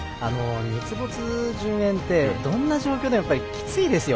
日没順延ってどんな状況でもきついですよ。